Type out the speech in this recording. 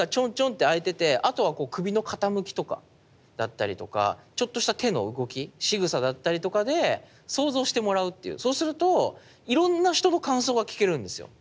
ッて開いててあとは首の傾きとかだったりとかちょっとした手の動きしぐさだったりとかで想像してもらうっていうそうするといろんな人の感想が聞けるんですよ。